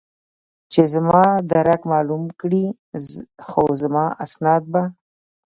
چې زما درک معلوم کړي، خو زما اسناد به.